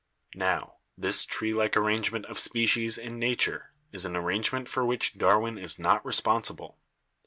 "Now, this tree like arrangement of species in nature is an arrangement for which Darwin is not responsible.